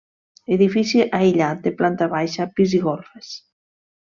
Edifici aïllat de planta baixa, pis i golfes.